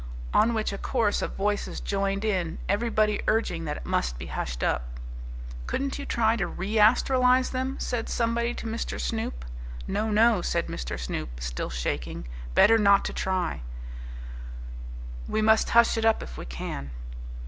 On which a chorus of voices joined in, everybody urging that it must be hushed up. "Couldn't you try to reastralize them?" said somebody to Mr. Snoop. "No, no," said Mr. Snoop, still shaking. "Better not try to. We must hush it up if we can."